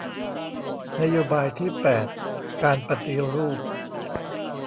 นโยบายที่แปดการปฏิรูป